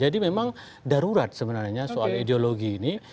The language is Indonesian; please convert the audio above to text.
jadi memang darurat sebenarnya soal ideologi ini